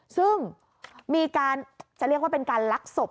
ซึ่งมีการจะเรียกว่าเป็นการลักศพ